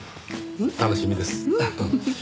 楽しみです。